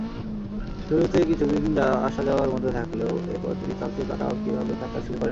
শুরুতে কিছুদিন আসা-যাওয়ার মধ্যে থাকলেও এরপর তিনি ফ্রান্সেই পাকাপাকিভাবে থাকা শুরু করেন।